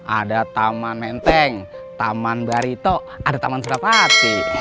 ada taman menteng taman barito ada taman surapati